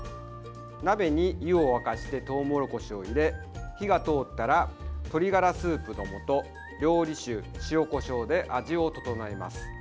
鍋に湯を沸かしてとうもろこしを入れ火が通ったら鶏がらスープの素料理酒、塩、こしょうで味を調えます。